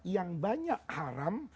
yang banyak haram